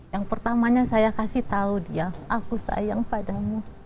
yang pertamanya saya kasih tahu dia aku sayang padamu